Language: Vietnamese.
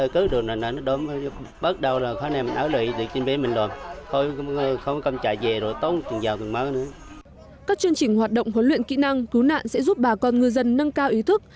các chương trình hoạt động huấn luyện kỹ năng cứu nạn sẽ giúp bà con ngư dân nâng cao ý thức